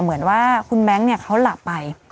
เหมือนว่าคุณแบงค์เขาหลับไป